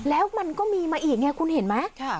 แล้วมันก็มีมาอีกไงคุณเห็นไหม